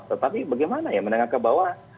tetapi bagaimana ya menengah ke bawah